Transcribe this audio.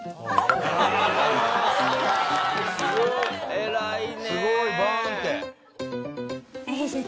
偉いね。